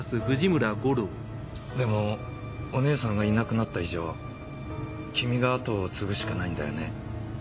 でもお義姉さんがいなくなった以上君が跡を継ぐしかないんだよね？